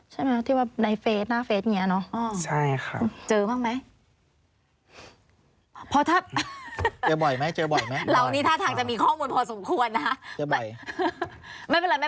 ใช่ไหมที่ว่าในเฟสหน้าเฟสอย่างนี้เนาะ